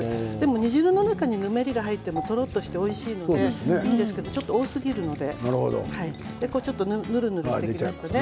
煮汁の中に、ぬめりが入ってもとろっとしておいしいんですけどちょっと多すぎるのでぬるぬるしてきましたね。